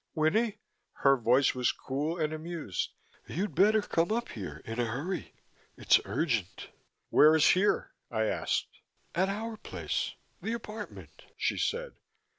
"Winnie?" Her voice was cool and amused. "You'd better come up here in a hurry. It's urgent." "Where is here?" I asked. "At our place, the apartment," she said.